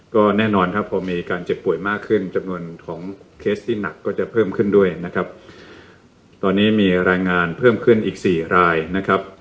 ก็แน่นอนครับพอมีการเจ็บป่วยมากขึ้นจำนวนของเคสที่หนักก็จะเพิ่มขึ้นด้วยนะครับตอนนี้มีรายงานเพิ่มขึ้นอีกสี่รายนะครับ